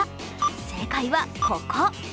正解はここ。